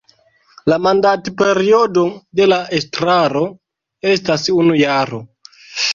La mandatperiodo de la estraro estas unu jaro.